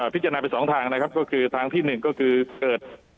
พิจารณาไปสองทางนะครับก็คือทางที่๑ก็คือเกิด